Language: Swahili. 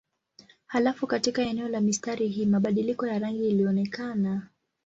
Halafu katika eneo la mistari hii mabadiliko ya rangi ilionekana.